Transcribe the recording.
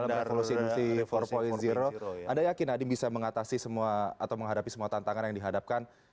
mungkin adim bisa mengatasi semua atau menghadapi semua tantangan yang dihadapkan